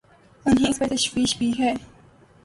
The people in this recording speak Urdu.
انہیں اس پر تشویش بھی ہے۔